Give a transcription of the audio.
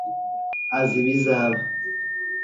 azi ibizaba.